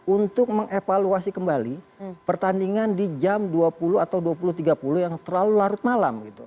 untuk mengevaluasi kembali pertandingan di jam dua puluh atau dua puluh tiga puluh yang terlalu larut malam gitu